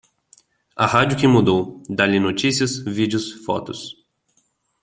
A rádio que mudou, dá-lhe notícias, vídeos, fotos.